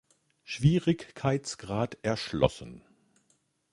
Schwierigkeitsgrad erschlossen.